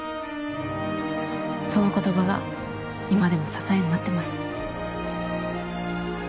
その言葉が今でも支えになってます